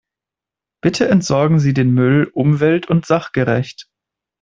Bitte entsorgen Sie den Müll umwelt- und sachgerecht.